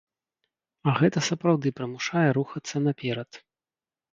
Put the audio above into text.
А гэта сапраўды прымушае рухацца наперад.